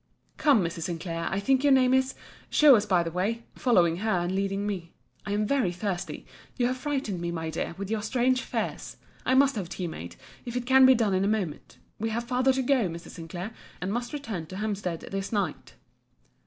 Come, Mrs. Sinclair, I think your name is, show us the way——following her, and leading me. I am very thirsty. You have frighted me, my dear, with your strange fears. I must have tea made, if it can be done in a moment. We have farther to go, Mrs. Sinclair, and must return to Hampstead this night.